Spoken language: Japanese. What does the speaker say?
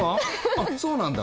あっそうなんだ。